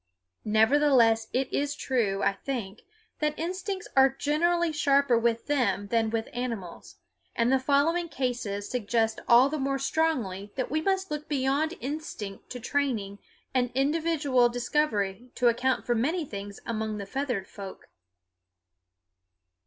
Nevertheless it is true, I think, that instincts are generally sharper with them than with animals, and the following cases suggest all the more strongly that we must look beyond instinct to training and individual discovery to account for many things among the feathered folk.